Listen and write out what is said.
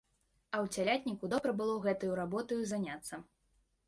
А ў цялятніку добра было гэтаю работаю заняцца.